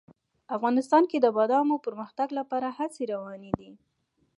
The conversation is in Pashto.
افغانستان کې د بادامو د پرمختګ لپاره هڅې روانې دي.